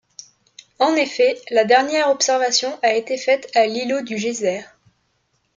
En effet, la dernière observation a été faite à l’îlot du geyser…